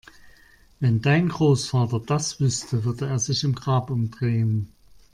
Wenn dein Großvater das wüsste, würde er sich im Grab umdrehen!